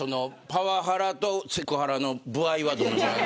パワハラとセクハラの歩合は。